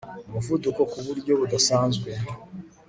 umuvuduko ku buryo budasanzwe